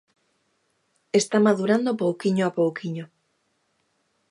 Está madurando pouquiño a pouquiño.